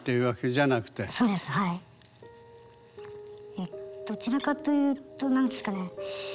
えっどちらかというと何ですかね